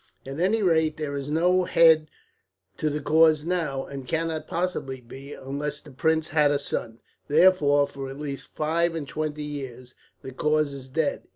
"At any rate, there is no head to the cause now, and cannot possibly be unless the prince had a son; therefore, for at least five and twenty years, the cause is dead.